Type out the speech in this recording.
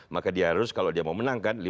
maka dia harus kalau dia mau menang kan